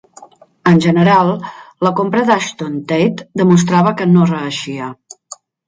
En general, la compra d'Ashton-Tate demostrava que no reeixia.